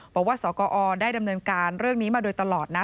บอกว่าสกอได้ดำเนินการเรื่องนี้มาโดยตลอดนะ